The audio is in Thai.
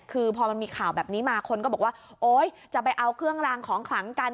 คือพอมันมีข่าวแบบนี้มาคนก็บอกว่าโอ๊ยจะไปเอาเครื่องรางของขลังกัน